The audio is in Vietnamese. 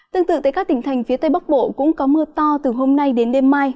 tương tự tại các tỉnh thành phía tây bắc bộ cũng có mưa to từ hôm nay đến đêm mai